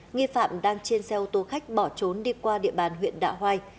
nghi phạm đang trên xe ô tô khách bỏ trốn đi qua địa bàn huyện đạ hoai